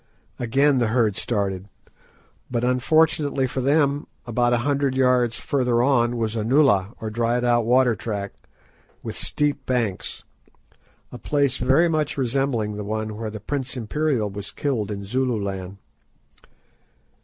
Again the herd started, but unfortunately for them about a hundred yards further on was a nullah, or dried out water track, with steep banks, a place very much resembling the one where the Prince Imperial was killed in Zululand.